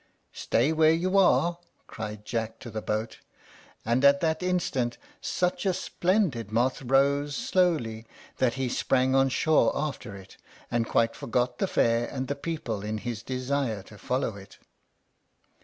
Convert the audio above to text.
"Stay where you are!" cried Jack to the boat; and at that instant such a splendid moth rose slowly, that he sprang on shore after it, and quite forgot the fair and the people in his desire to follow it.